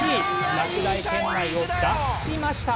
落第圏内を脱しました。